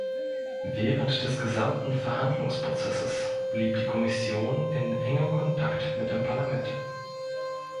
Während des gesamten Verhandlungsprozesses blieb die Kommission in engem Kontakt mit dem Parlament.